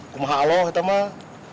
kumaha allah itu mah